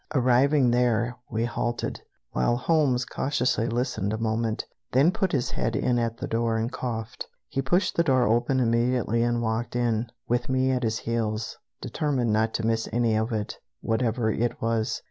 Arriving there, we halted, while Holmes cautiously listened a moment, then put his head in at the door and coughed. He pushed the door open immediately and walked in, with me at his heels, determined not to miss any of it, whatever it was.